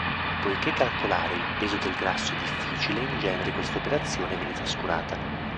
Poiché calcolare il peso del grasso è difficile in genere questa operazione viene trascurata.